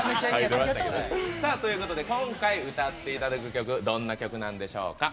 さあということで今回歌っていただく曲どんな曲なんでしょうか。